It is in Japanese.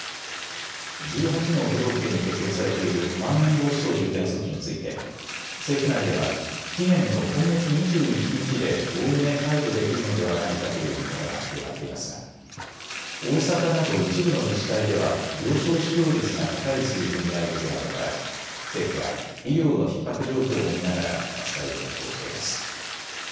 １８の都道府県に適用されているまん延防止等重点措置について政府内では期限の今月２１日でおおむね解除できるのではないかという見方が広がっていますが大阪など一部の自治体では病床使用率が高い水準にあることなどから政府は医療のひっ迫状況も見ながら扱いを検討しています。